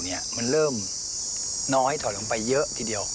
มันเริ่มน้อยถอดลงไปเยอะทีเดียว